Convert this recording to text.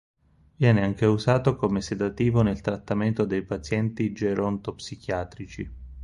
Viene anche usato come sedativo nel trattamento dei pazienti gerontopsichiatrici.